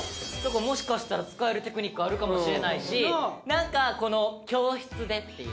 もしかしたら使えるテクニックあるかもしれないしなんかこの教室でっていう。